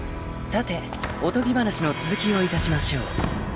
［さておとぎ話の続きをいたしましょう］